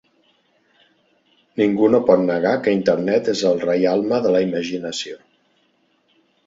Ningú no pot negar que Internet és el reialme de la imaginació.